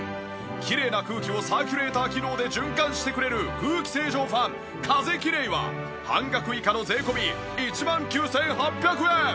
きれいな空気をサーキュレーター機能で循環してくれる空気清浄ファン風きれいは半額以下の税込１万９８００円！